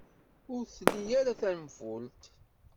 Ur tli ara tanfult.